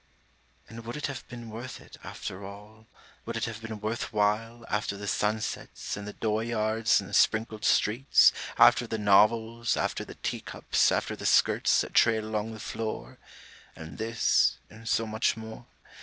â And would it have been worth it, after all, Would it have been worth while, After the sunsets and the dooryards and the sprinkled streets, After the novels, after the teacups, after the skirts that trail along the floor And this, and so much more?